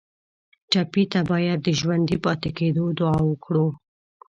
ټپي ته باید د ژوندي پاتې کېدو دعا وکړو.